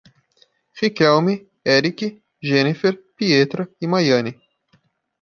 Riquelme, Erique, Jhenifer, Pietra e Maiane